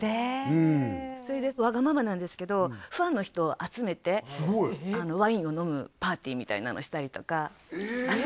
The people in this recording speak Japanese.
うんわがままなんですけどファンの人を集めてワインを飲むパーティーみたいなのしたりとかえ！